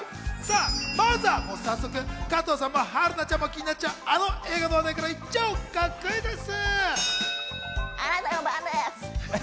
まずは、加藤さんも春菜ちゃんも気になっちゃうあの映画の話題から行っちゃおう、クイズッス！